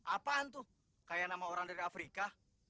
apaan tuh kayak nama orang dari afrika